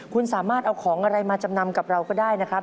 คุณสามารถเอาของอะไรมาจำนำกับเราก็ได้นะครับ